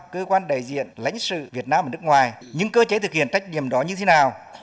cơ quan đại diện lãnh sự việt nam ở nước ngoài những cơ chế thực hiện trách nhiệm đó như thế nào